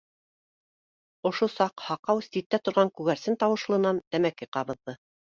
Ошо саҡ һаҡау ситтә торған күгәрсен тауышлынан тәмәке ҡабыҙҙы